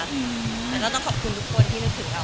เราต้องขอบคุณทุกคนที่รู้ถึงเรา